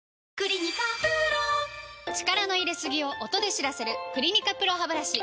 力の入れすぎを音で知らせる「クリニカＰＲＯハブラシ」